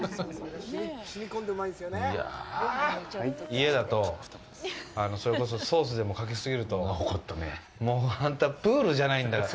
家だと、それこそソースでもかけ過ぎるともうあんたプールじゃないんだから。